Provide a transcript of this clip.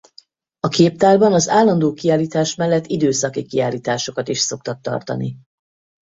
A Képtárban az állandó kiállítás mellett időszaki kiállításokat is szoktak tartani.